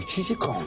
１時間？